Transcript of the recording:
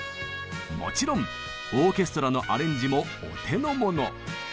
もちろんオーケストラのアレンジもお手の物。